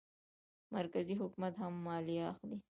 مرکزي حکومت هم مالیه اخلي.